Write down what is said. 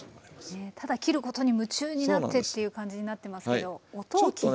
ただ切ることに夢中になってっていう感じになってますけど音を聞いてみる。